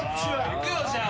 行くよじゃあ。